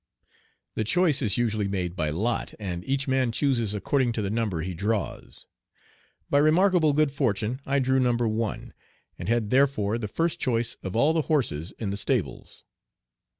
The choice is usually made by lot, and each man chooses according to the number he draws. By remarkable good fortune I drew No. 1, and had therefore the first choice of all the horses in the stables.